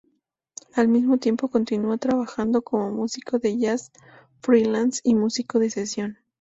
Al mismo tiempo continúa trabajando como músico de jazz freelance y músico de sesión.